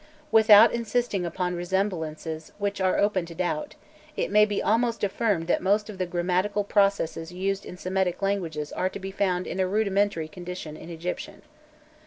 Without insisting upon resemblances which are open to doubt, it may be almost affirmed that most of the grammatical processes used in Semitic languages are to be found in a rudimentary condition in Egyptian.